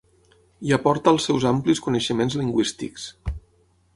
Hi aporta els seus amplis coneixements lingüístics.